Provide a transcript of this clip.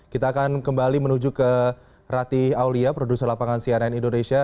kita akan kembali menuju ke rati aulia produser lapangan cnn indonesia